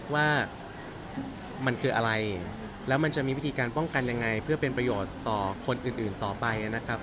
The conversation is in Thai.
ว่ามันคืออะไรแล้วมันจะมีวิธีการป้องกันยังไงเพื่อเป็นประโยชน์ต่อคนอื่นต่อไปนะครับ